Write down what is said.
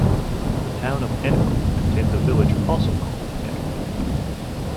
The town of Antwerp contains a village also called Antwerp.